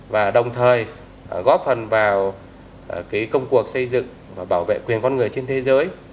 và đồng thời góp phần vào công cuộc xây dựng và bảo vệ quyền con người trên thế giới